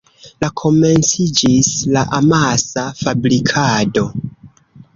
La komenciĝis la amasa fabrikado.